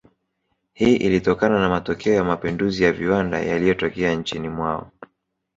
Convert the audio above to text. Hii ilitokana na matokeo ya mapinduzi ya viwanda yaliyotokea nchini mwao